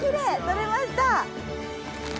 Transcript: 取れました！